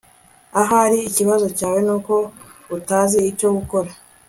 Ahari ikibazo cyawe nuko utazi icyo gukora